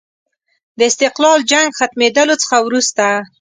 د استقلال جنګ ختمېدلو څخه وروسته.